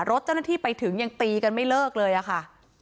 รถเจ้าหน้าที่ไปถึงยังตีกันไม่เลิกเลยอะค่ะ